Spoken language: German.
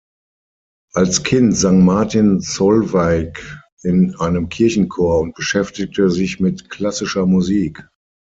Als Kind sang Martin Solveig in einem Kirchenchor und beschäftigte sich mit klassischer Musik.